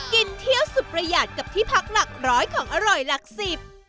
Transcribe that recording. กินเที่ยวสุดประหยัดกับที่พักหลักร้อยของอร่อยหลักสิบ